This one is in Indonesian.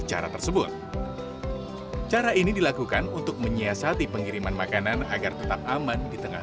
cara tersebut cara ini dilakukan untuk menyiasati pengiriman makanan agar tetap aman di tengah